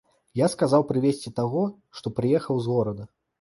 Я сказаў прывесці таго, што прыехаў з горада.